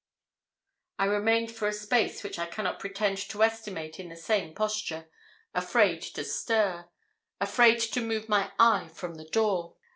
I remained for a space which I cannot pretend to estimate in the same posture, afraid to stir afraid to move my eye from the door.